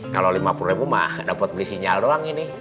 kalau lima puluh ribu mah dapat beli sinyal doang ini